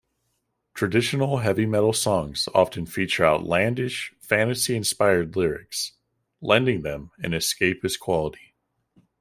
Traditional heavy metal songs often feature outlandish, fantasy-inspired lyrics, lending them an escapist quality.